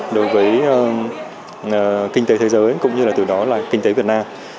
đối với kinh tế thế giới cũng như là từ đó là kinh tế việt nam